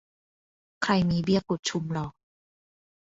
ใครมีเบี้ยกุดชุมลอ